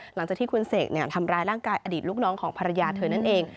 หลังจากที่คุณเสกทำร้ายร่างกายอดีตลูกน้องของภรรยาเธอนั่นเอง